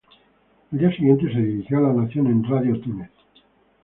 Al día siguiente, se dirigió a la nación en "Radio Túnez".